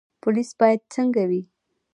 پولیس باید څنګه وي؟